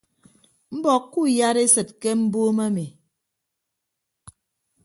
Mbọk kuuyadesịd ke mbuumo emi.